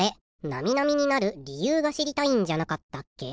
ナミナミになる理由が知りたいんじゃなかったっけ？